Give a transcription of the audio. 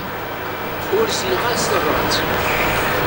Uzneɣ-as tabrat.